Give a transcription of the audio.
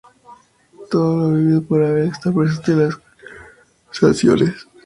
Todo lo vivido por Abel está presente en estas canciones.